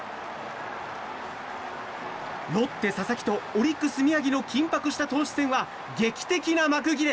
ロッテ、佐々木とオリックス、宮城の緊迫の投手戦は劇的な幕切れ。